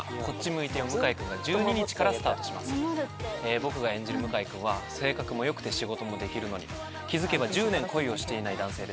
僕が演じる向井君は性格もよくて仕事もできるのに気付けば１０年恋をしていない男性です。